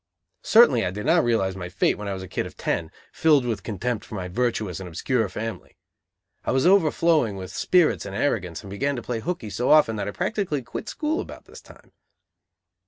Certainly I did not realize my fate when I was a kid of ten, filled with contempt for my virtuous and obscure family! I was overflowing with spirits and arrogance, and began to play "hooky" so often that I practically quit school about this time.